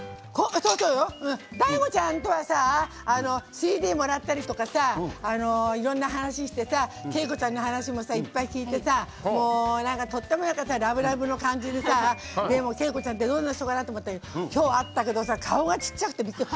そうよＤＡＩＧＯちゃんとはＣＤもらったりいろんな話をしたりさ景子ちゃんの話もいっぱい聞いてとってもラブラブの感じでさ景子ちゃんってどんな人かなって思ってたけど今日、会ったけどさ顔が小さくてびっくり。